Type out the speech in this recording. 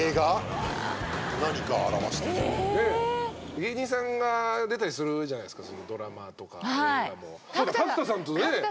芸人さんが出たりするじゃないですかドラマとか映画も。